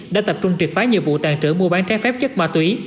đã tập trung triệt phái nhiệm vụ tàn trữ mua bán trái phép chất ma túy